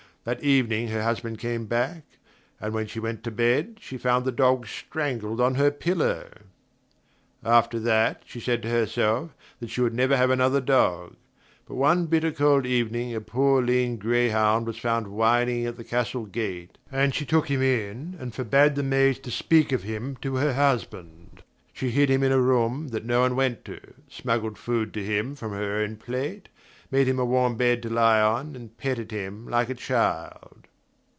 That evening her husband came back, and when she went to bed she found the dog strangled on her pillow. After that she said to herself that she would never have another dog; but one bitter cold evening a poor lean greyhound was found whining at the castle gate, and she took him in and forbade the maids to speak of him to her husband. She hid him in a room that no one went to, smuggled food to him from her own plate, made him a warm bed to lie on and petted him like a child.